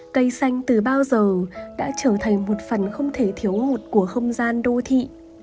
cây xanh từ bao giờ đã trở thành một phần không thể thiếu hụt của không gian đô thị